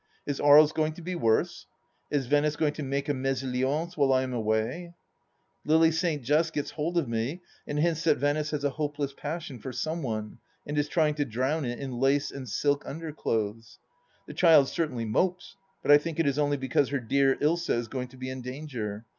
Is Aries going to be worse ? Is Venice going to make a mesalliance while I am away ? Lily St. Just gets hold of me, and hints that Venice has a hopeless passion for some one, and is trying to drown it in lace and silk underclothes ? The child certainly mopes, but I think it is only bcause her dear Ilsa is going to be in danger.